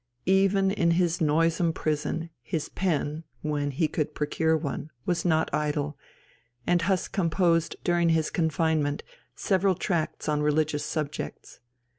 Even in his noisome prison his pen (when he could procure one) was not idle, and Huss composed during his confinement several tracts on religious subjects.